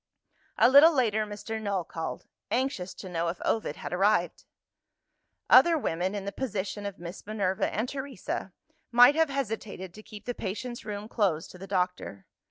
A little later Mr. Null called anxious to know if Ovid had arrived. Other women, in the position of Miss Minerva and Teresa, might have hesitated to keep the patient's room closed to the doctor.